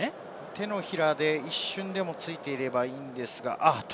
手のひらで一瞬でもついていればいいのですが。